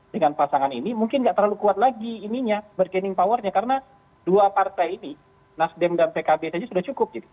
dengan pasangan ini mungkin nggak terlalu kuat lagi ininya bargaining powernya karena dua partai ini nasdem dan pkb saja sudah cukup gitu